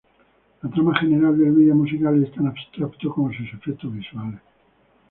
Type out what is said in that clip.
La trama general del video musical es tan abstracto como sus efectos visuales.